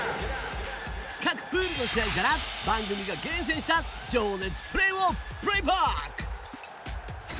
各プールの試合から番組が厳選した情熱プレーをプレーバック。